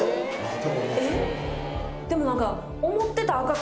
でも何か。